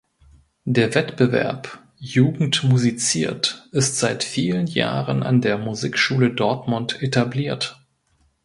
Der Wettbewerb „Jugend musiziert“ ist seit vielen Jahren an der Musikschule Dortmund etabliert.